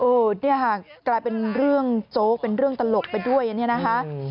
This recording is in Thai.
เนี่ยค่ะกลายเป็นเรื่องโจ๊กเป็นเรื่องตลกไปด้วยอันนี้นะคะ